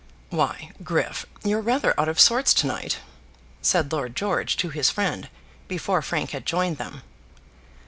"Why, Griff, you're rather out of sorts to night," said Lord George to his friend, before Frank had joined them.